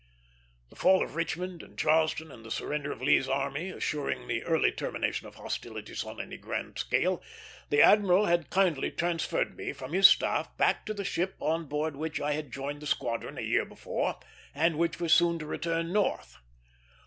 The fall of Richmond and Charleston, and the surrender of Lee's army, assuring the early termination of hostilities on any grand scale, the admiral had kindly transferred me from his staff back to the ship on board which I had joined the squadron a year before, and which was soon to return North.